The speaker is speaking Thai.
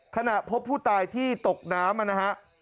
ขณะพบผู้ตายที่ตกน้ำนะฮะ